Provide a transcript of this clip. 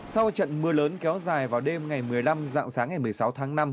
sau trận mưa lớn kéo dài vào đêm ngày một mươi năm dạng sáng ngày một mươi sáu tháng năm